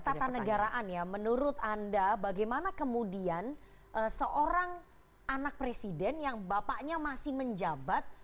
ketatanegaraan ya menurut anda bagaimana kemudian seorang anak presiden yang bapaknya masih menjabat